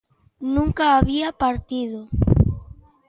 Nunca había partido.